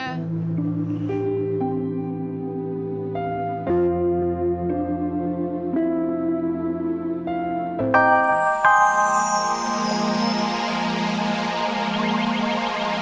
sampai jumpa lagi